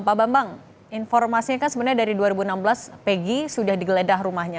pak bambang informasinya kan sebenarnya dari dua ribu enam belas peggy sudah digeledah rumahnya